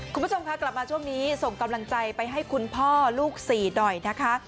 คุณผู้ชมค่ะกลับมาช่วงนี้ส่งกำลังใจไปให้คุณพ่อลูกสี่หน่อยนะคะ